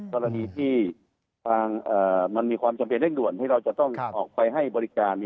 เวลามีความจำเป็นเร่งด่วนเพื่อให้บริการ